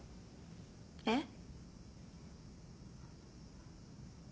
えっ？